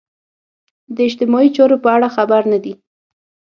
د اجتماعي چارو په اړه خبر نه دي.